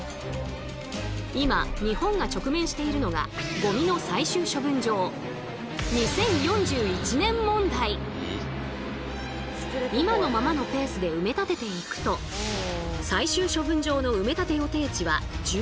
今日本が直面しているのが今のままのペースで埋め立てていくと最終処分場の埋め立て予定地は１８年後